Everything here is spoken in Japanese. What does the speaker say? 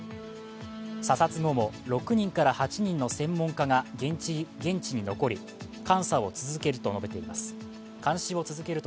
査察後も６人から８人の専門家が現地に残り、監視を続けると述べています。